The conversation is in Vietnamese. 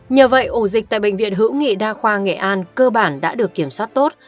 nhờ vậy ổ dịch tại bệnh viện hữu nghị đa khoa nghệ an cơ bản đã được kiểm soát tốt